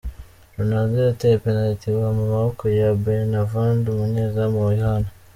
Ronaldo yateye penaliti igwa mu maboko ya Beiranvand umunyezamu wa Iran.